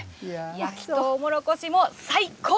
焼きとうもろこしも最高！